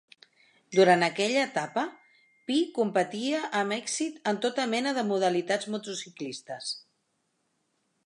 Durant aquella etapa, Pi competia amb èxit en tota mena de modalitats motociclistes.